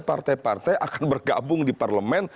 partai partai akan bergabung di parlemen